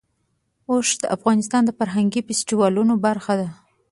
اوښ د افغانستان د فرهنګي فستیوالونو برخه ده.